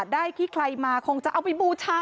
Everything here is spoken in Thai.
ได้ที่ใครมาคงจะเอาไปบูชา